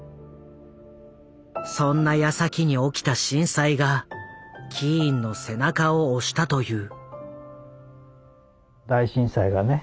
そんなやさきに起きた震災がキーンの背中を押したという。